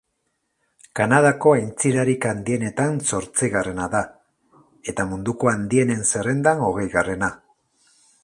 Kanadako aintzirarik handienetan zortzigarrena da, eta munduko handienen zerrendan hogeigarrena.